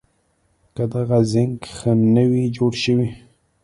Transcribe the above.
که دغه زېنک ښه نه وي جوړ شوي